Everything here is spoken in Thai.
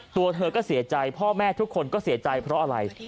ตัวเธอก็เสียใจพ่อแม่ทุกคนก็เสียใจเพราะอะไร